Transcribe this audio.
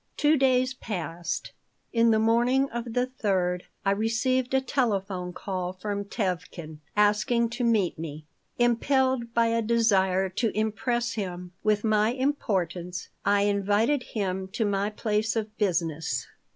Two days passed. In the morning of the third I received a telephone call from Tevkin, asking to meet me. Impelled by a desire to impress him with my importance, I invited him to my place of business.